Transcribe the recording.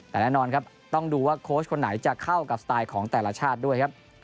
แต่แน่นอนครับต้องดูว่าโค้ชคนไหนจะเข้ากับสไตล์ของแต่ละชาติด้วยครับ